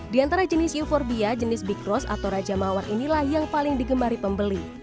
di antara jenis euforbia jenis bikros atau raja mawar inilah yang paling digemari pembeli